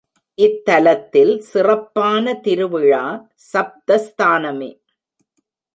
இத்தலத்தில் சிறப்பான திருவிழா சப்தஸ்தானமே.